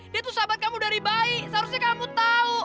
dia tuh sahabat kamu dari bayi seharusnya kamu tahu